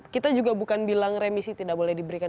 kita juga bukan bilang remisi tidak boleh diberikan